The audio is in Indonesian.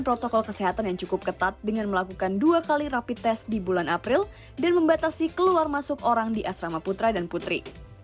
protokol kesehatan yang cukup ketat dengan melakukan dua kali rapid test di bulan april dan membatasi keluar masuk orang di asrama putra dan putri